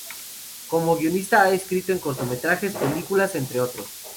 Como guionista ha escrito en cortometrajes, películas, entre otros.